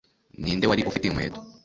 ninde wari ufite inkweto